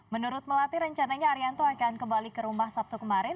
menurut melati rencananya arianto akan kembali ke rumah sabtu kemarin